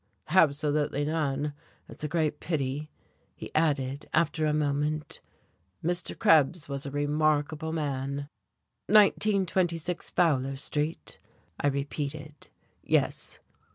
"Absolutely none. It's a great pity." He added, after a moment, "Mr. Krebs was a remarkable man." "Nineteen twenty six Fowler Street?" I repeated. "Yes."